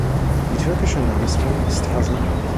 Die türkische Namensform ist Hasan.